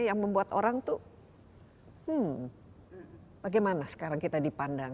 yang membuat orang tuh bagaimana sekarang kita dipandang